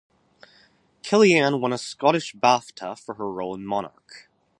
Kellyanne won a Scottish Bafta for her role in "Monarch".